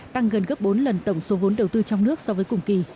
tăng gần gấp bốn lần tổng số vốn đầu tư trong nước so với cùng kỳ